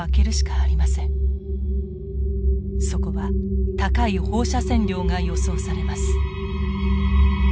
そこは高い放射線量が予想されます。